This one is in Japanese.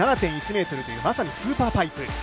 ７．１ｍというまさにスーパーパイプ。